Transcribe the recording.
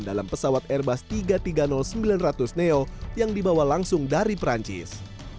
dalam pesawat airbus tiga ratus tiga puluh sembilan ratus neo yang dibawa langsung dari perancis